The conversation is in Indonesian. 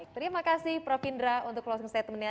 terima kasih prof indra untuk closing statementnya